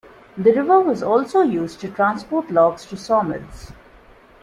The river was also used to transport logs to sawmills.